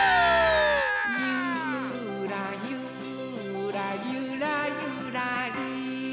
「ゆーらゆーらゆらゆらりー」